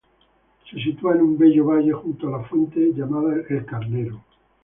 Se sitúa en un bello valle, junto a la fuente llamada El Carnero.